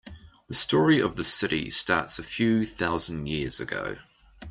The story of the city starts a few thousand years ago.